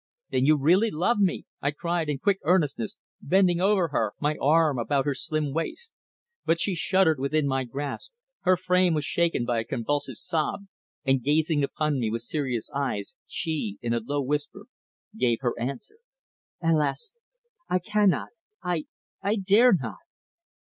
"Then you really love me?" I cried in quick earnestness, bending over her, my arm about her slim waist. But she shuddered within my grasp. Her frame was shaken by a convulsive sob, and gazing upon me with serious eyes she, in a low whisper, gave her answer. "Alas! I cannot I I dare not!"